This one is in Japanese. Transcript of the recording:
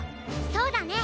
そうだね！